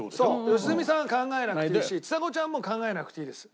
良純さんは考えなくていいしちさ子ちゃんも考えなくていいです。